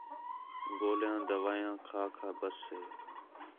گولیاں، دوائیاں کھا کھا ٻس ہِے